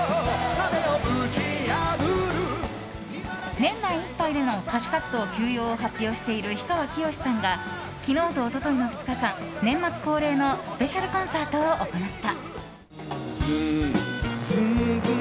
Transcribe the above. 年内いっぱいでの歌手活動休養を発表している氷川きよしさんが昨日と一昨日の２日間年末恒例のスペシャルコンサートを行った。